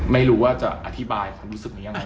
ไม่รู้ว่าจะอธิบายความรู้สึกนี้ยังไง